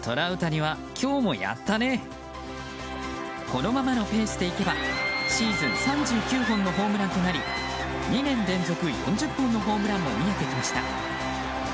このままのペースでいけばシーズン３９本のホームランとなり２年連続４０本のホームランも見えてきました。